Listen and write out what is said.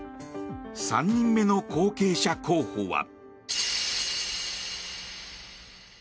３人目の後継者候補は。